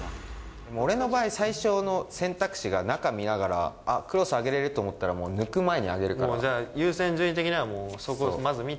俺の場合、最初の選択肢が、中見ながら、あっ、クロス上げれると思ったら、もう抜く前に上げもうじゃあ、優先順位的にはもうそこをまず見て。